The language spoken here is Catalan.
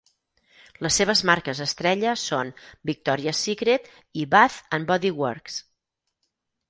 Les seves marques estrella són Victoria's Secret i Bath and Body Works.